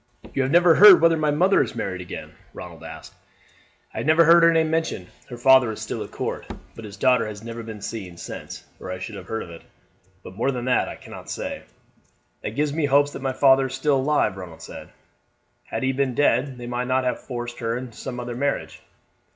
"You have never heard whether my mother has married again?" Ronald asked. "I have never heard her name mentioned. Her father is still at court, but his daughter has never been seen since, or I should have heard of it; but more than that I cannot say." "That gives me hopes that my father is still alive," Ronald said. "Had he been dead they might have forced her into some other marriage."